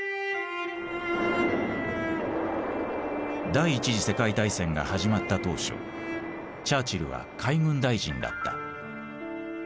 第一次世界大戦が始まった当初チャーチルは海軍大臣だった。